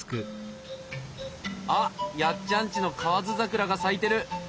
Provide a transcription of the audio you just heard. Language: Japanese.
あっやっちゃんちの河津桜が咲いてる！